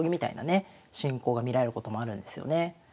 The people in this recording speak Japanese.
進行が見られることもあるんですよね。